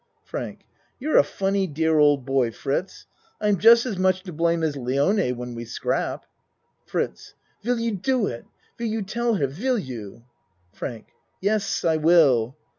FRANK You're a funny, dear old boy, Fritz. I'm just as much' to blame as Lione when we scrap. FRITZ Will you do it? Will you tell her? Will you? FRANK Yes, I will.